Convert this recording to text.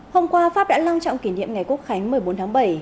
hôm qua pháp đã long trọng kỷ niệm ngày quốc khánh một mươi bốn tháng bảy